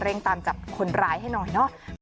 ตามจับคนร้ายให้หน่อยเนาะ